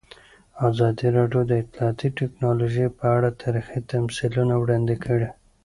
ازادي راډیو د اطلاعاتی تکنالوژي په اړه تاریخي تمثیلونه وړاندې کړي.